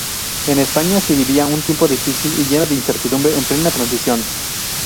En España se vivía un tiempo difícil y lleno de incertidumbre, en plena Transición.